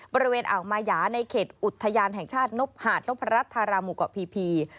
บริเวณออกมายาในเขตอุทยานแห่งชาติหานุภารัฐรามุกเกาะพี